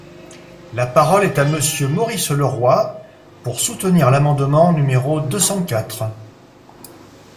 La parole est à Monsieur Maurice Leroy, pour soutenir l’amendement numéro deux cent quatre.